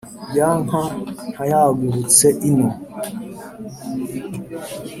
ya nka ntayagarutse ino